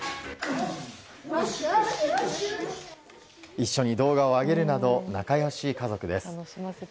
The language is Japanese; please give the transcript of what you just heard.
一緒に動画を上げるなど仲良し家族です。